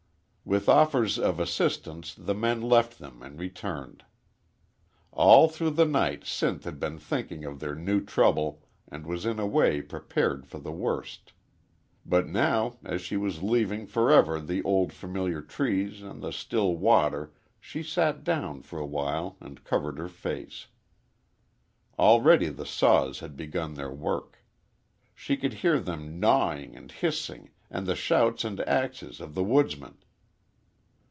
With offers of assistance the men left them and returned. All through the night Sinth had been thinking of their new trouble and was in a way prepared for the worst. But now, as she was leaving forever the old, familiar trees and the still water she sat down for awhile and covered her face. Already the saws had begun their work. She could hear them gnawing and hissing and the shouts and axes of the woodsmen.